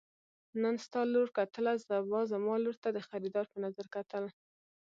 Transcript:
نن ستا لور کتله سبا زما لور ته د خريدار په نظر کتل.